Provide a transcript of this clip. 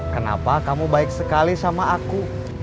kenapa kamu baik sekali sama aku